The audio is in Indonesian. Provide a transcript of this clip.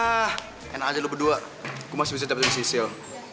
ah enak aja lo berdua gue masih bisa dapetin sisil